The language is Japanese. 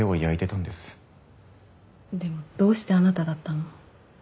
でもどうしてあなただったの？